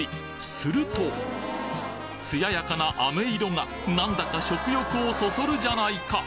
すると艶やかな飴色がなんだか食欲をそそるじゃないか！